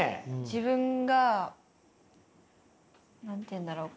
自分が何て言うんだろう？